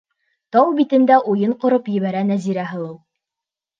Тау битендә уйын ҡороп ебәрә Нәзирә һылыу.